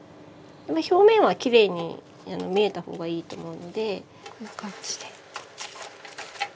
表面はきれいに見えた方がいいと思うのでこんな感じで。